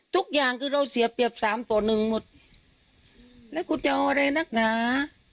ทุกอย่างคือเราเสียเปรียบสามต่อหนึ่งหมดแล้วกูจะเอาอะไรนักหนา